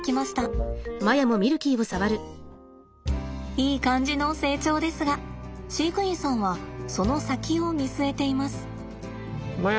いい感じの成長ですが飼育員さんはその先を見据えています。